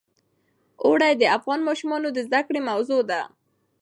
اوړي د افغان ماشومانو د زده کړې موضوع ده.